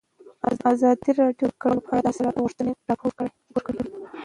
ازادي راډیو د کډوال په اړه د اصلاحاتو غوښتنې راپور کړې.